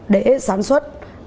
để sản xuất